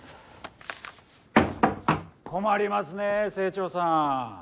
困りますねえ清張さん。